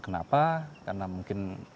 kenapa karena mungkin